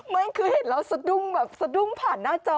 ไม่คือเห็นเราสะดุ้งแบบสะดุ้งผ่านหน้าจอ